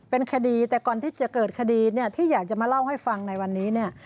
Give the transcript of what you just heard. เป็นคดีแต่ก่อนที่จะเกิดคดีเนี่ยที่อยากจะมาเล่าให้ฟังในวันนี้เนี่ย